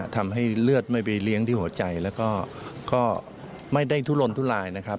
ทำให้เลือดไม่ไปเลี้ยงที่หัวใจแล้วก็ไม่ได้ทุลนทุลายนะครับ